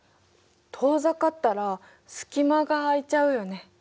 遠ざかったら隙間が空いちゃうよね。